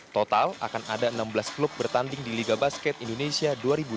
total akan ada enam belas klub bertanding di liga basket indonesia dua ribu dua puluh